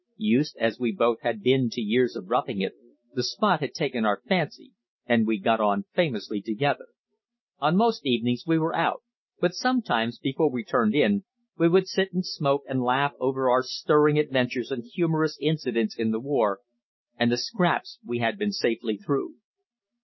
Used as we both had been to years of roughing it, the spot had taken our fancy, and we got on famously together. On most evenings we were out, but sometimes, before we turned in, we would sit and smoke and laugh over our stirring adventures and humorous incidents in the war, and the "scraps" we had been safely through.